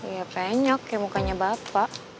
ya banyak ya mukanya bapak